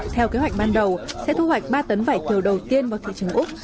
theo kế hoạch ban đầu sẽ thu hoạch ba tấn vải thiều đầu tiên vào thị trường úc